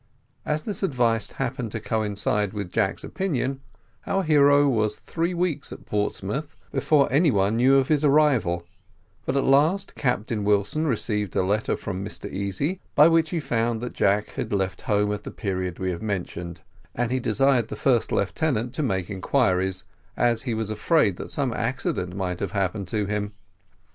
As this advice happened to coincide with Jack's opinion, our hero was three weeks at Portsmouth before any one knew of his arrival, but at last Captain Wilson received a letter from Mr Easy, by which he found that Jack had left home at the period we have mentioned, and he desired the first lieutenant to make inquiries, as he was afraid that some accident might have happened to him.